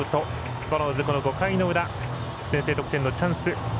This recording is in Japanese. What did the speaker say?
スワローズ５回の裏先制得点のチャンス。